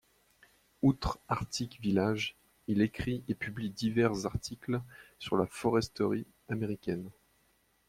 Outre Arctic Village, il écrit et publie divers articles sur la foresterie américaine.